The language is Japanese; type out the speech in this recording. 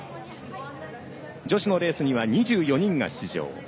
女子のレースには２４人が出場。